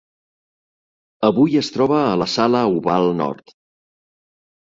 Avui es troba a la Sala Oval Nord.